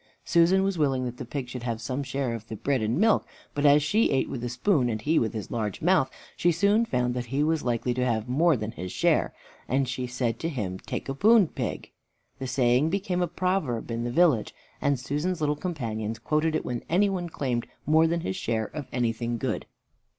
Susan was willing that the pig should have some share of the bread and milk, but as she ate with a spoon and he with his large mouth, she soon found that he was likely to have more than his share; and she said to him, "Take a poon, pig." The saying became a proverb in the village, and Susan's little companions quoted it when any one claimed more than his share of anything good.